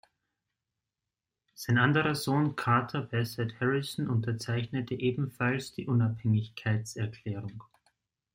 Sein anderer Sohn Carter Bassett Harrison unterzeichnete ebenfalls die Unabhängigkeitserklärung.